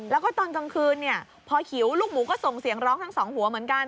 แล้วก็ตอนกลางคืนพอหิวลูกหมูก็ส่งเสียงร้องทั้งสองหัวเหมือนกัน